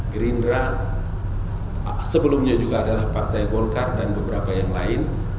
gerindra sebelumnya juga adalah partai golkar dan beberapa yang lain